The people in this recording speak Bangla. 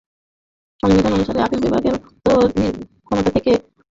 সংবিধান অনুসারে আপিল বিভাগের অন্তর্নিহিত ক্ষমতা আছে যেকোনো মামলার সম্পূর্ণ ন্যায়বিচার করার।